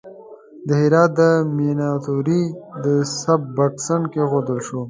د هرات د میناتوری د سبک بنسټ کیښودل شو.